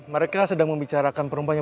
mereka sedang membicarakan perempuannya